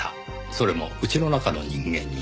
それも家の中の人間に。